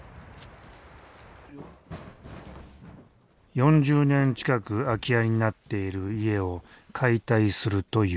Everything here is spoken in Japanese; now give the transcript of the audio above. ４０年近く空き家になっている家を解体するという。